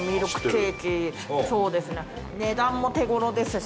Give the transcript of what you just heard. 値段も手頃ですし。